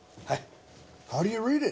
はい。